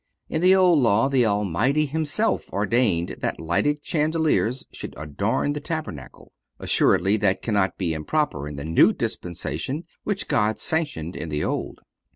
In the Old Law the Almighty Himself ordained that lighted chandeliers should adorn the tabernacle.(428) Assuredly, that cannot be improper in the New Dispensation which God sanctioned in the Old.